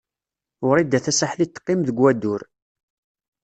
Wrida Tasaḥlit teqqim deg wadur.